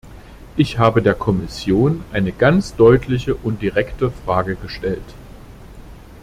Ich habe der Kommission eine ganz deutliche und direkte Frage gestellt.